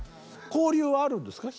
交流はあるんですか？